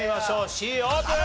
Ｃオープン！